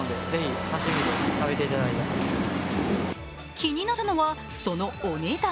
気になるのはそのお値段。